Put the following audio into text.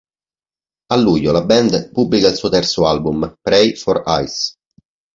A luglio la band pubblica il suo terzo album "Prey for Eyes".